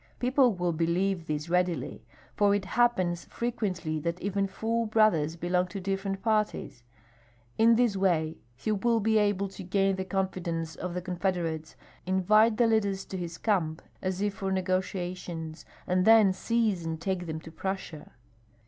People will believe this readily, for it happens frequently that even full brothers belong to different parties. In this way he will be able to gain the confidence of the confederates, invite the leaders to his camp as if for negotiations, and then seize and take them to Prussia.